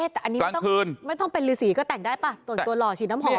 ตอนนี้ไม่ต้องเป็นฤสีก็แต่งได้ป่ะตัวหล่อฉีดน้ำหอมเนี่ย